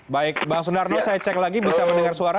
baik bang sunarno saya cek lagi bisa mendengar suara